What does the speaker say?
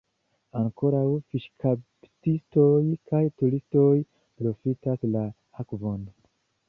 Ankaŭ fiŝkaptistoj kaj turistoj profitas la akvon.